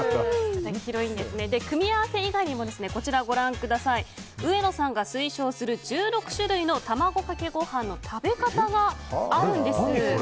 組み合わせ以外にも上野さんが推奨する１６種類の卵かけご飯の食べ方があるんです。